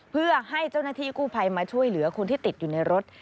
เพื่อให้เจ้าหน้าที่กู้ภัยมาช่วยเหลือคนที่ติดอยู่ในรถ